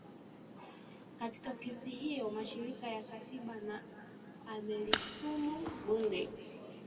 Katika kesi hiyo mashirika ya katiba na amelishutumu bunge